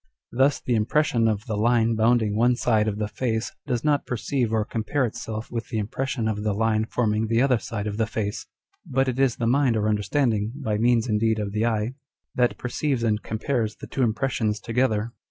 Thus the impression of the line bounding one side of the face does not perceive or compare itself with the impression of the line forming the other side of the face, but it is the mind or understanding (by means indeed of the eye) that perceives and compares the two impressions together.